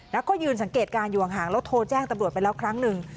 แล้วก็ยืนสังเกตการณ์อยู่ห่างแล้วโทรแจ้งตำรวจไปแล้วครั้งหนึ่ง